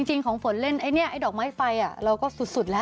จริงของฝนเล่นไอ้เนี่ยไอ้ดอกไม้ไฟเราก็สุดแล้ว